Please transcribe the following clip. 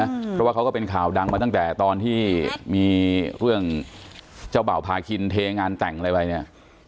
เพราะว่าเขาก็เป็นข่าวดังมาตั้งแต่ตอนที่มีเรื่องเจ้าบ่าวพาคินเทงานแต่งอะไรไปเนี่ย